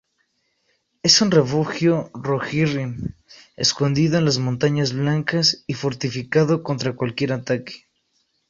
Es un refugio Rohirrim escondido en las Montañas Blancas y fortificado contra cualquier ataque.